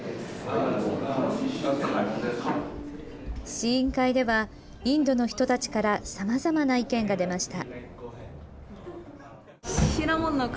試飲会では、インドの人たちからさまざまな意見が出ました。